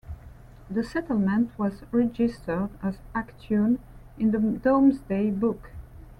The settlement was registered as "Actune" in the Domesday Book.